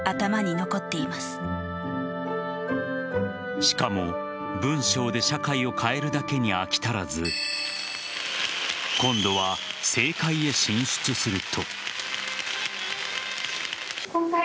しかも、文章で社会を変えるだけに飽き足らず今度は政界へ進出すると。